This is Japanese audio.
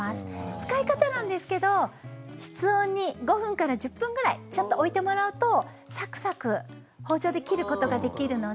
使い方なんですけど室温に５分から１０分ぐらいちょっと置いてもらうとサクサク包丁で切ることができるので。